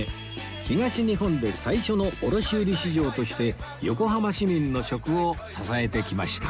東日本で最初の卸売市場として横浜市民の食を支えてきました